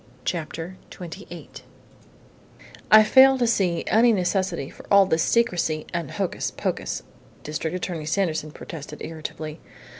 _" CHAPTER TWENTY EIGHT "I fail to see any necessity for all this secrecy and hocus pocus," District Attorney Sanderson protested irritably.